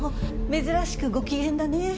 珍しくご機嫌だね？